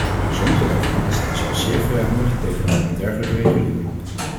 Sommige daarvan staan zelfs zeer vijandig tegenover een dergelijke regulering.